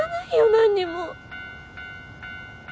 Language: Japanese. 何にも。